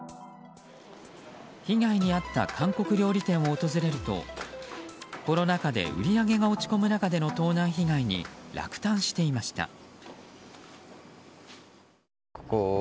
被害に遭った韓国料理店を訪れるとコロナ禍で売り上げが落ち込む中での盗難被害に落胆していました。